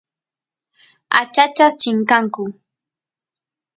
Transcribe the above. achachas chinkanku